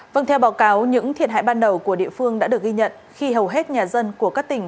vâng theo báo cáo những thiệt hại ban đầu của địa phương đã được ghi nhận khi hầu hết nhà dân của các tỉnh